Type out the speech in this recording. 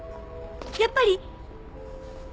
やっぱり！